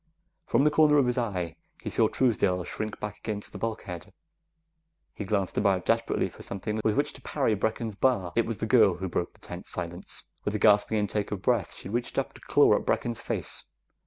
From the corner of his eye, he saw Truesdale shrinking back against the bulkhead. He glanced about desperately for something with which to parry Brecken's bar. It was the girl who broke the tense silence. With a gasping intake of breath, she reached up to claw at Brecken's face.